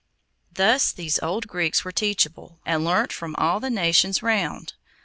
Thus these old Greeks were teachable, and learnt from all the nations round.